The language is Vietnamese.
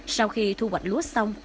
sau khi thu hoạch lúa xong